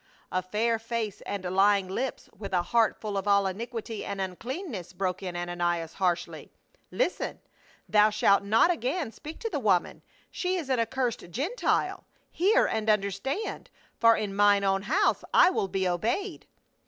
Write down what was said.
"A fair face and lying lips, with a heart full of all iniquity and unclcanness," broke in Ananias harshly. " Listen ! thou shalt not again speak to the woman, she is an accursed Gentile. Hear and understand, for in mine own house I will be obeyed."